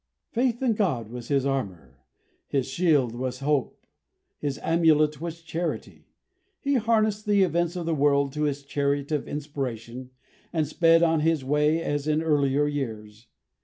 Faith in God was his armour; his shield was hope; his amulet was charity. He harnessed the events of the world to his chariot of inspiration, and sped on his way as in earlier years.